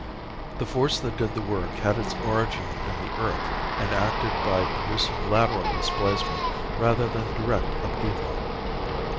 The force that did the work had its origin in the earth and acted by producing lateral displacement rather than direct upheaval.